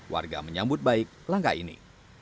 warga menyambut baik langkah ini